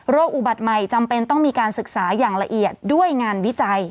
อุบัติใหม่จำเป็นต้องมีการศึกษาอย่างละเอียดด้วยงานวิจัย